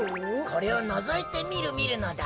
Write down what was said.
これをのぞいてみるみるのだ。